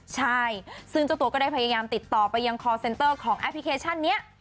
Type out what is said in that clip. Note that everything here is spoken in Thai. ใช่ซึ่งเจ้าตัวก็ได้พยายามติดต่อไปยังคอร์เซ็นเตอร์ของแอปพลิเคชันนี้